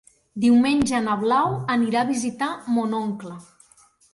Diumenge na Blau anirà a visitar mon oncle.